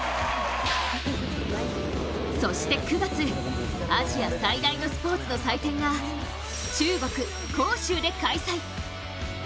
そして９月、アジア最大のスポーツの祭典が中国・杭州で開催。